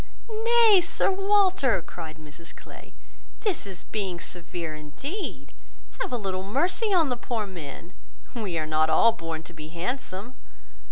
"Nay, Sir Walter," cried Mrs Clay, "this is being severe indeed. Have a little mercy on the poor men. We are not all born to be handsome.